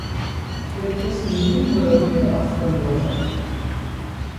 Irkasen-nnem ur rnin ɣef tqendurt-a.